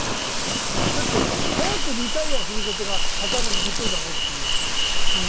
だって、早くリタイアすることが働くことだろっていう。